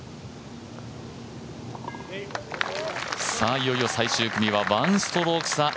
いよいよ最終組は１ストローク差。